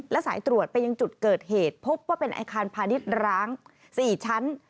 และสายตรวจไปยังจุดเกิดเหตุพบว่าเป็นอาคารพาณิชย์ร้าง๔ชั้น